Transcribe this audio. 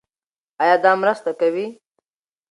ایا دا مرسته کوي؟